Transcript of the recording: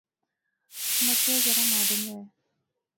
متے او ذرا ماڈرن وہے